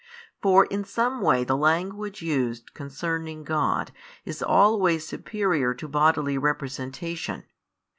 For in some way the language used concerning God is always superior to bodily representation.